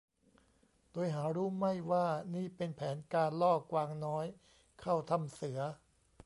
โดยหารู้ไม่ว่านี่เป็นแผนการล่อกวางน้อยเข้าถ้ำเสือ